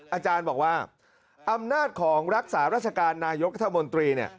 อาจารย์บอกว่าอำนาจของรักษาราชการนายกรัฐมนตรี